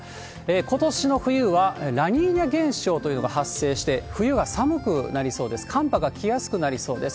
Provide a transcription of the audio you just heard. ことしの冬はラニーニャ現象というのが発生して、冬が寒くなりそうです。